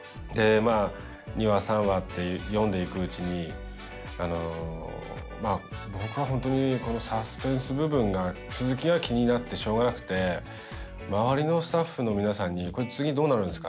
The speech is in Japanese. ２話３話って読んでいくうちに僕はホントにサスペンス部分が続きが気になってしょうがなくて周りのスタッフの皆さんに「これ次どうなるんですか」